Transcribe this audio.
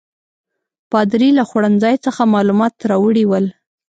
پادري له خوړنځای څخه معلومات راوړي ول.